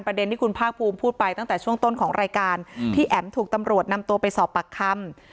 ที่คุณภาคภูมิพูดไปตั้งแต่ช่วงต้นของรายการที่แอ๋มถูกตำรวจนำตัวไปสอบปากคำ